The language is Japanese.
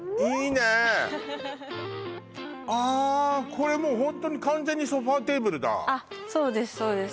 これもうホントに完全にソファテーブルだそうです